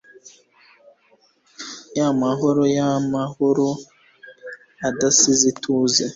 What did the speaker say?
ya mahore y'amahoro adasize ituze